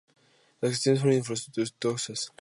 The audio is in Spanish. Las gestiones fueron infructuosas.